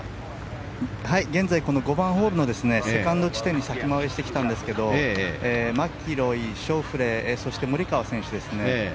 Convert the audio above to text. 現在、５番ホールのセカンド地点に先回りしてきたんですけどマキロイ、シャフリーそしてモリカワ選手ですね。